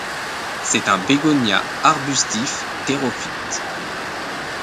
C'est un bégonia arbustif, therophyte.